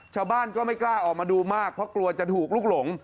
ชาวบ้านก็ไม่กล้าออกมาดูมากเพราะกลัวจะถูกลุกหลง